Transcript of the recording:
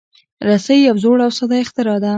رسۍ یو زوړ او ساده اختراع ده.